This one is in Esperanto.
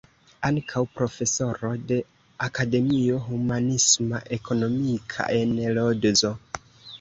Ankaŭ profesoro de Akademio Humanisma-Ekonomika en Lodzo.